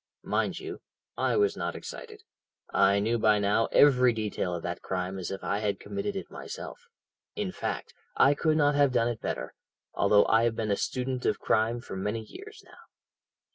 Mind you, I was not excited I knew by now every detail of that crime as if I had committed it myself. In fact, I could not have done it better, although I have been a student of crime for many years now.